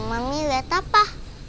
momi biar tapa